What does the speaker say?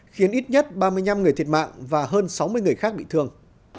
khiến ít nhất ba mươi năm người thiệt mạng và hơn sáu mươi người khác bị thương